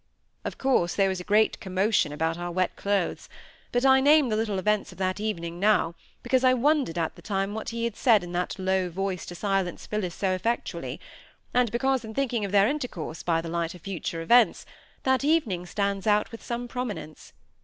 Of course, there was a great commotion about our wet clothes; but I name the little events of that evening now because I wondered at the time what he had said in that low voice to silence Phillis so effectually, and because, in thinking of their intercourse by the light of future events, that evening stands out with some prominence.